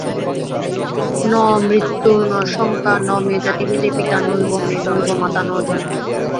ন মৃত্যুর্ন শঙ্কা ন মে জাতিভেদ পিতা নৈব মে নৈব মাতা ন জন্ম।